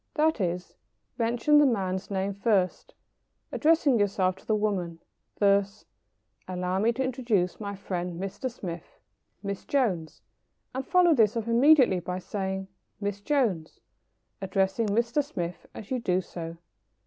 That is, mention the man's name first, addressing yourself to the woman thus: "Allow me to introduce my friend Mr. Smith, Miss Jones." And follow this up immediately by saying, "Miss Jones," addressing Mr. Smith as you do so.